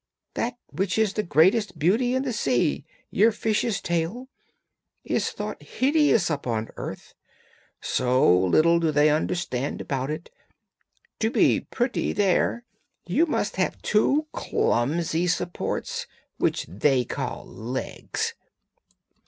That which is your greatest beauty in the sea, your fish's tail, is thought hideous up on earth, so little do they understand about it; to be pretty there you must have two clumsy supports which they call legs!'